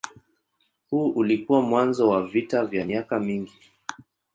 Huu ulikuwa mwanzo wa vita vya miaka mingi.